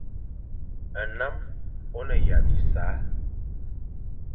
Nnam o ne ya bisa abi.